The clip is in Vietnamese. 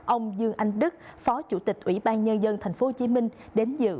ông dương anh đức phó chủ tịch ủy ban nhân dân thành phố hồ chí minh đến dự